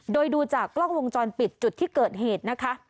โดยดูจากกล้องวงจรปิดจุดที่เกิดเหตุนะคะ